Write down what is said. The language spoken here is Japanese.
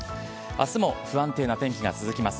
あすも不安定な天気が続きます。